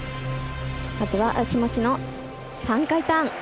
まずは足持ちの３回ターン。